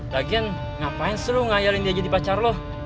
lagi kan ngapain selalu ngayalin dia jadi pacar lo